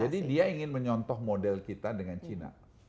jadi dia ingin menyontoh model kita dengan china